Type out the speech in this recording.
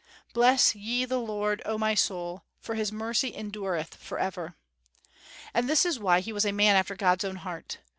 "Bless ye the Lord, O my soul! for his mercy endureth forever." And this is why he was a man after God's own heart.